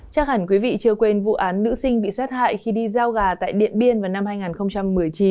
chắc hẳn quý vị chưa quên vụ án nữ sinh bị sát hại khi đi giao gà tại điện biên vào năm hai nghìn một mươi chín